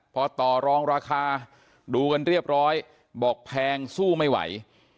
พอต่อรองราคาดูกันเรียบร้อยบอกแพงสู้ไม่ไหว